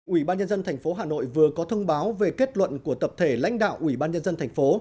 ủy ban nhân dân tp hà nội vừa có thông báo về kết luận của tập thể lãnh đạo ủy ban nhân dân thành phố